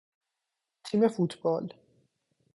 تیم فوتبال